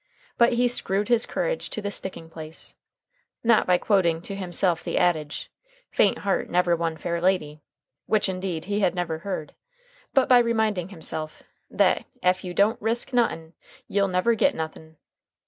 But he screwed his courage to the sticking place, not by quoting to himself the adage, "Faint heart never won fair lady," which, indeed, he had never heard, but by reminding himself that "ef you don't resk notin' you'll never git nothin'."